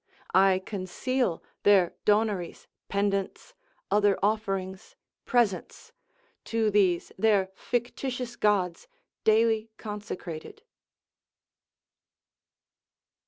I conceal their donaries, pendants, other offerings, presents, to these their fictitious gods daily consecrated.